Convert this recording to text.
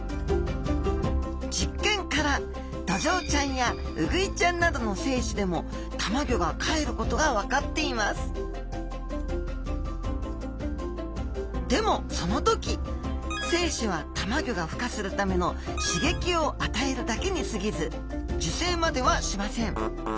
実験からドジョウちゃんやウグイちゃんなどの精子でもたまギョがかえることが分かっていますでもその時精子はたまギョがふ化するための刺激を与えるだけにすぎず受精まではしません。